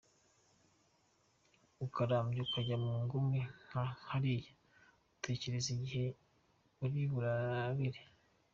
Ukarambya ukajya mu nguni nka hariya, ugategereza igihe uriburabire.